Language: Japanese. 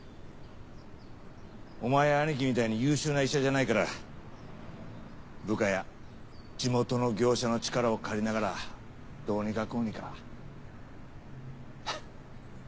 お前や兄貴みたいに優秀な医者じゃないから部下や地元の業者の力を借りながらどうにかこうにかハッ。